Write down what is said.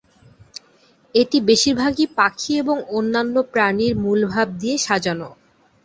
এটি বেশির ভাগই পাখি এবং অন্যান্য প্রাণীর মূল ভাব দিয়ে সাজানো।